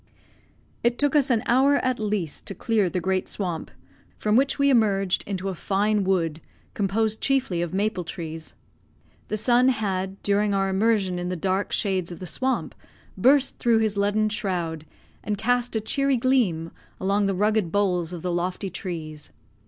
It took us an hour at least to clear the great swamp, from which we emerged into a fine wood, composed chiefly of maple trees. The sun had, during our immersion in the dark shades of the swamp, burst through his leaden shroud, and cast a cheery gleam along the rugged boles of the lofty trees.